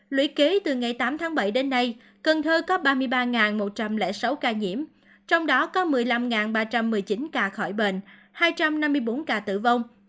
lũy kế từ ngày tám tháng bảy đến nay cần thơ có ba mươi ba một trăm linh sáu ca nhiễm trong đó có một mươi năm ba trăm một mươi chín ca khỏi bệnh hai trăm năm mươi bốn ca tử vong